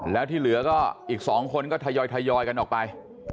แล้วที่เหลือก็อีก๒คนก็ทยอยกันออกไป